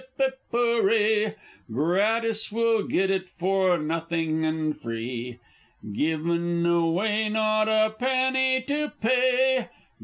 Ippipooray! Gratis we'll get it for nothing and free! Given away! Not a penny to pay!